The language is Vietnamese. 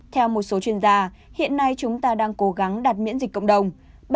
theo một số chuyên gia hiện nay chúng ta đang cố gắng đặt miễn dịch cộng đồng